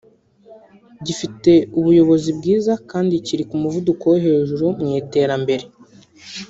gifite ubuyobozi bwiza kandi kiri ku muvuduko wo hejuru mu iterambere